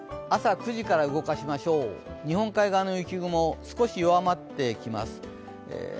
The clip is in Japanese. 朝９時から動かしましょう日本海側の雪雲少し弱まってきます。